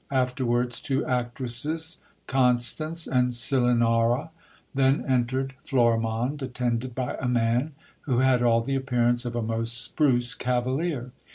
Afterwards two actresses, Constance and Celinaura ; then entered Florimonde, attended by a man who had all the appearance of a most spruce cavalier.